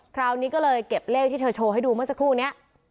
คราวนี้ก็เลยเก็บเลขที่เธอโชว์ให้ดูเมื่อสักครู่นี้